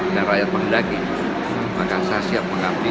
demi kan damai guys hihi